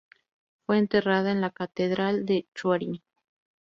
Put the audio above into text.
Fue enterrada en la Catedral de Schwerin.